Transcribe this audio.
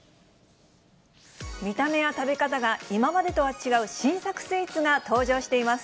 見た目や食べ方が今までとは違う新作スイーツが登場しています。